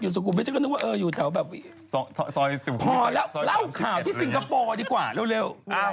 สุขุมไม่ใช่ก็นึกว่าอยู่แถวแบบซอย๑๐พอแล้วเล่าข่าวที่สิงคโปร์ดีกว่าเร็ว